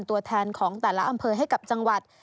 ตัวแทนของแต่ละอำเภอให้กับจังหวัด